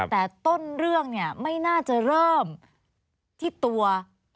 แต่ต้นเรื่องเนี่ยไม่น่าจะเริ่มที่ตัว